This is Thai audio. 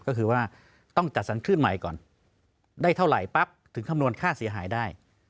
ก็คือว่าต้องจัดสรรคลื่นใหม่ก่อนได้เท่าไหร่ปั๊บถึงคำนวณค่าเสียหายได้